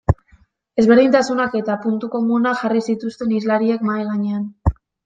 Ezberdintasunak eta puntu komunak jarri zituzten hizlariek mahai gainean.